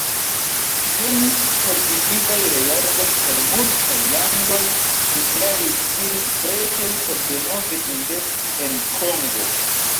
Venis pozitivaj reagoj kaj multaj landoj deklaris sin pretaj por denove investi en Kongo.